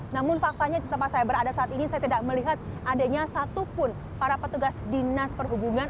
namun faktanya di tempat saya berada saat ini saya tidak melihat adanya satupun para petugas dinas perhubungan